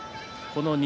錦